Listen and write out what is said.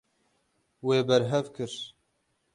Wê berhev kir.